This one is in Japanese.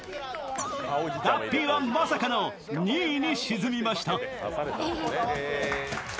ラッピーはまさかの２位に沈みました。